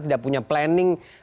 tidak punya planning